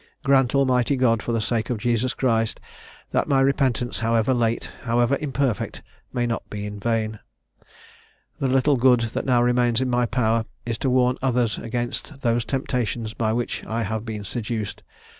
Grant, Almighty God, for the sake of Jesus Christ, that my repentance, however late, however imperfect, may not be in vain! "The little good that now remains in my power is to warn others against those temptations by which I have been seduced.